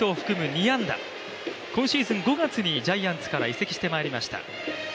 ２安打今シーズン５月にジャイアンツから移籍してまいりました。